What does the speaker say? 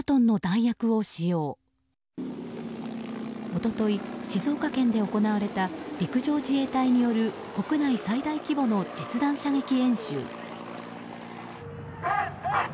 一昨日、静岡県で行われた陸上自衛隊による国内最大規模の実弾射撃演習。